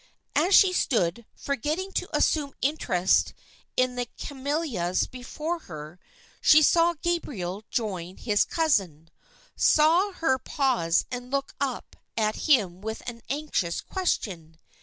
As she stood, forgetting to assume interest in the camellias before her, she saw Gabriel join his cousin, saw her pause and look up at him with an anxious question.